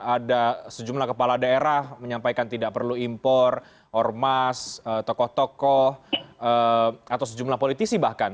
ada sejumlah kepala daerah menyampaikan tidak perlu impor ormas tokoh tokoh atau sejumlah politisi bahkan